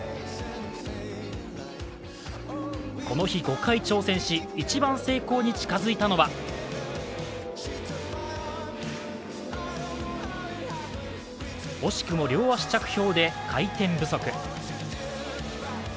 この日、５回挑戦し一番成功に近づいたのは惜しくも両足着氷で回転不足。